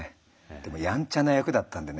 でもやんちゃな役だったんでね